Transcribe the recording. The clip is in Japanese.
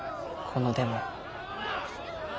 このデモ。